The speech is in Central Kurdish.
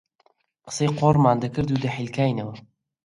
قسەی قۆڕمان دەکرد و دەحیلکاینەوە